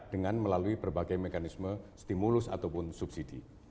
dengan melalui berbagai mekanisme stimulus ataupun subsidi